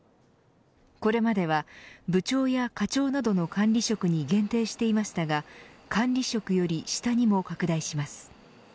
これまでは、部長や課長などの管理職に限定していましたが管理職より下にも拡大します。